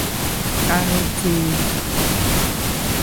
Ka hɛ the e ?